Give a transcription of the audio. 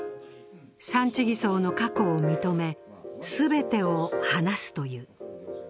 産地偽装の過去を認め、全てを話すという。